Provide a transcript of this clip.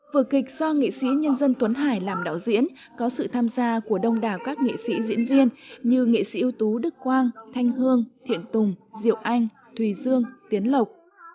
vở kịch do nghị sĩ nhân dân tuấn hải làm đạo diễn có sự tham gia của đông đảo các nghệ sĩ diễn viên như nghệ sĩ ưu tú đức quang thanh hương thiện tùng diệu anh thùy dương tiến lộc